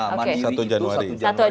mandiri itu satu januari